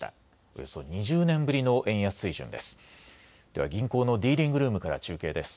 およそ２０年ぶりの円安水準です。